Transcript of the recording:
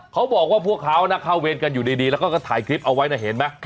เขาบอกว่าพวกเขานะเข้าเวรกันอยู่ดีแล้วก็ถ่ายคลิปเอาไว้นะเห็นไหม